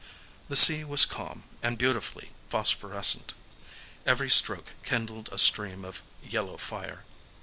The sea was calm, and beautifully phosphorescent. Every stroke kindled a stream of yellow fire.